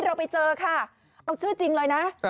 เราไปเจอค่ะเอาชื่อจริงเลยนะ